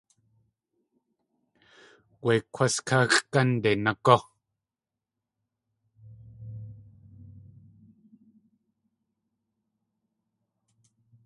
Wé kwás káxʼ gánde nagú!